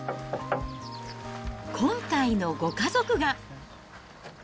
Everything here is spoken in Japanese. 今回のご家族が。